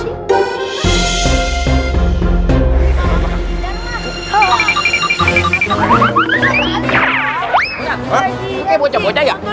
itu kayak bocah bocah ya